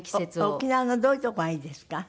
沖縄のどういうとこがいいですか？